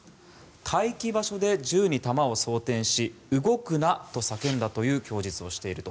待機場所で銃に弾を装填し動くなと叫んだという供述をしていると。